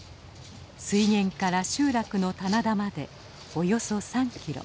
水源から集落の棚田までおよそ３キロ。